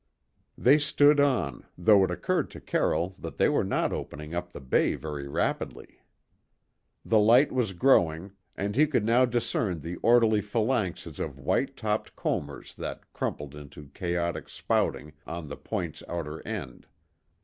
They stood on, though it occurred to Carroll that they were not opening up the bay very rapidly. The light was growing, and he could now discern the orderly phalanxes of white topped combers that crumpled into chaotic spouting on the point's outer end.